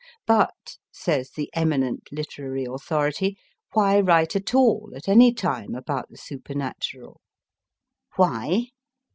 But, says the eminent literary authority, why write at all, at any time, about the supernatural ? Why